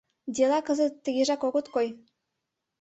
Дела кызыт тыгежак огыт кой?